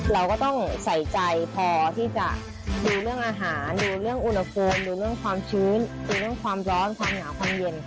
เราก็ต้องใส่ใจพอที่จะดูเรื่องอาหารดูเรื่องอุณหภูมิดูเรื่องความชื้นดูเรื่องความร้อนความหนาวความเย็น